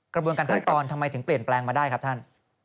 กระบวนการขั้นตอนทำไมถึงเปลี่ยนแปลงมาได้ครับท่าน